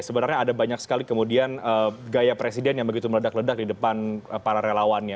sebenarnya ada banyak sekali kemudian gaya presiden yang begitu meledak ledak di depan para relawannya